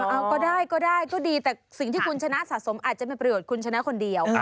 เอาก็ได้ก็ดีแต่ครั้งนี้คุณชนะสะสมมันจะไม่จะประโยชน์คนเดียว